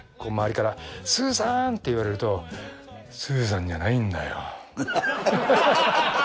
周りからスーさん！って言われるとスーさんじゃないんだよ。